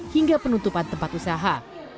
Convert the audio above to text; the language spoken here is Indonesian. hingga penutupan tempat usaha